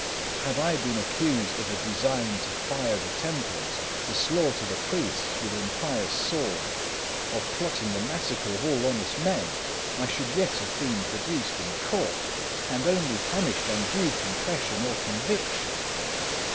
Had I been accused of a design to fire the temples, to slaughter the priests with impious sword, of plotting the massacre of all honest men, I should yet have been produced in court, and only punished on due confession or conviction.